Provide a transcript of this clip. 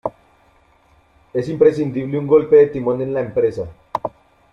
Es imprescindible un golpe de timón en la empresa.